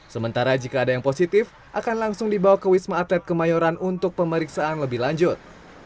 sementara jika ada yang positif akan langsung dibawa ke wisma atlet kemayoran untuk pemeriksaan lebih lanjut